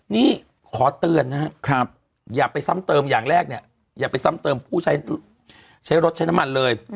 นี่ขอเตือนนะครับอย่าไปซ้ำเติมอย่างแรกเนี่ยอย่าไปซ้ำเติมผู้ใช้รถใช้น้ำมันเลย